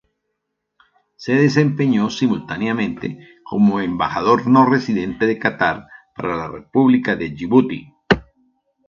Se desempeñó simultáneamente como embajador no residente de Catar para la República de Yibuti.